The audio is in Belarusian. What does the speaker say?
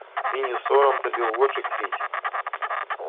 І не сорам табе ў вочы кпіць?